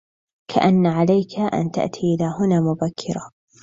كأن عليك أن تأتي إلى هنا مبكراً.